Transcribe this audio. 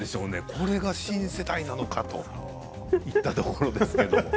これは新世代なのかといったところですかね。